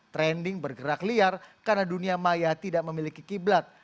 trending bergerak liar karena dunia maya tidak memiliki kiblat